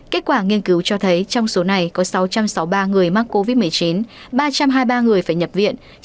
kết quả nghiên cứu cho thấy trong số này có sáu trăm sáu mươi ba người mắc covid một mươi chín ba trăm hai mươi ba người phải nhập viện